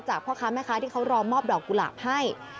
พ่อค้าแม่ค้าที่เขารอมอบดอกกุหลาบให้